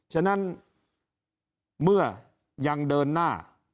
ฉะนั้นเมื่อยังเดินหน้า